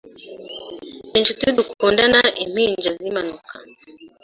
ninshuti Dukunda impinja zimanuka